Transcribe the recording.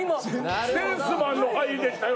センスマンの入りでしたよ